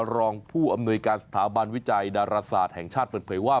รองผู้อำนวยการสถาบันวิจัยดาราศาสตร์แห่งชาติเปิดเผยว่า